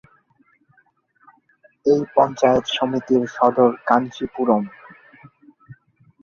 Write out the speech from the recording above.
এই পঞ্চায়েত সমিতির সদর কাঞ্চীপুরম।